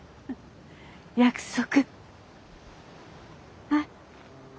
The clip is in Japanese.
約束。